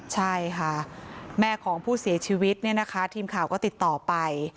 ใช่ค่ะแม่ของผู้เสียชีวิตทีมข่าวก็ติดต่อไป